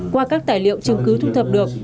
qua các tài liệu chứng cứ thu thập được